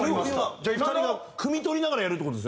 ２人がくみ取りながらやるって事ですよね？